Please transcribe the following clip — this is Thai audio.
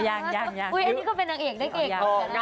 อย่างนี้ก็เป็นนักเอก